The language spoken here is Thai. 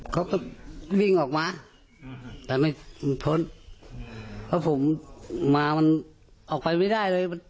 เขาก็วิ่งออกมาแต่ไม่ทนเพราะผมมามันออกไปไม่ได้เลย